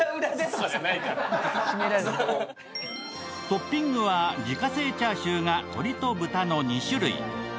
トッピングは自家製チャーシューが鶏と豚の２種類。